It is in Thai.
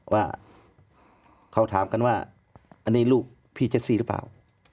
ว่าเขาถามกันว่าอันนี้ลูกพี่เจ็ดซี่หรือเปล่า